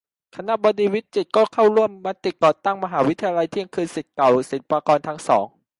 คณบดีวิจิตร ก็ร่วมกับมิตรก่อตั้ง "มหาวิทยาลัยเที่ยงคืน" ศิษย์เก่าศิลปากรทั้งสอง